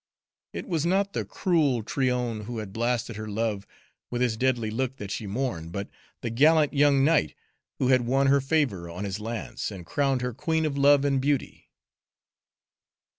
It was not the cruel Tryon who had blasted her love with his deadly look that she mourned, but the gallant young knight who had worn her favor on his lance and crowned her Queen of Love and Beauty.